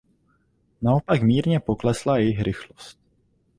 Naopak mírně poklesla jejich rychlost.